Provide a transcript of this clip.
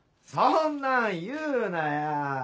そんなん言うなや。